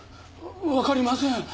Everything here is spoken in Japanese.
分かりません